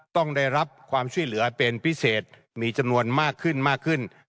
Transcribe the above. ต้องได้รับความช่วยเหลือเป็นพิเศษมีจำนวนมากขึ้นมากขึ้น